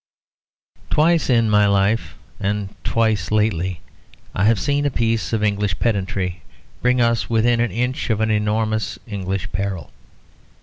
Twice in my life, and twice lately, I have seen a piece of English pedantry bring us within an inch of an enormous English peril.